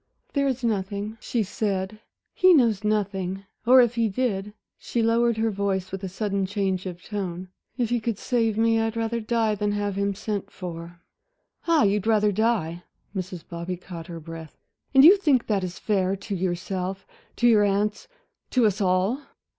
"There is nothing," she said. "He knows nothing; or if he did" she lowered her voice with a sudden change of tone "if he could save me, I'd rather die than have him sent for." "Ah you'd rather die?" Mrs. Bobby caught her breath. "And you think that is fair to yourself, to your aunts, to us all?"